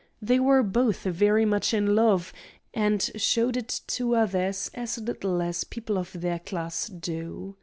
They were both very much in love, and showed it to others as little as people of their class do.